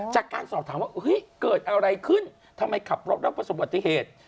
จากการสอบถามว่าเฮ้ยเกิดอะไรขึ้นทำไมขับรถแล้วประสบปฏิเหตุ